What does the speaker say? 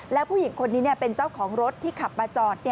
แล้วผู้หญิงคนนี้เป็นเจ้าของรถที่ขับมาจอด